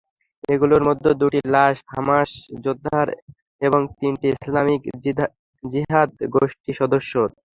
এগুলোর মধ্যে দুটি লাশ হামাস যোদ্ধার এবং তিনটি ইসলামিক জিহাদ গোষ্ঠী সদস্যের।